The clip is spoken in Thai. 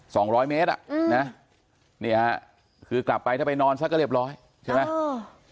สองร้อยเมตรอ่ะอืมนะเนี่ยฮะคือกลับไปถ้าไปนอนซะก็เรียบร้อยใช่ไหมเออ